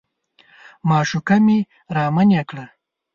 معشوقه مې رامنې کړه.